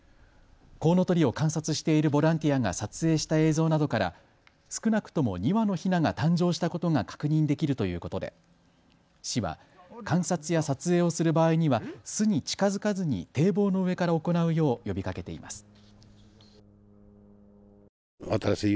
コウノトリを観察しているボランティアが撮影した映像などから少なくとも２羽のヒナが誕生したことが確認できるということで市は観察や撮影をする場合には巣に近づかずに堤防の上から行うよう呼びかけています。